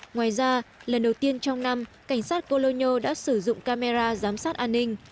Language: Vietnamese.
ngoài ra lần đầu tiên trong năm cảnh sát colono đã sử dụng camera giám sát an ninh